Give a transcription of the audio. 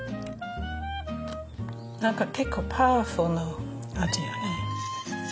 何か結構パワフルな味よね。